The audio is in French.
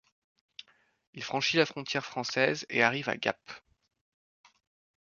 Il franchit la frontière française, et arrive à Gap.